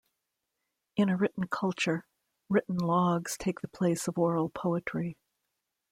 In a written culture, written logs take the place of oral poetry.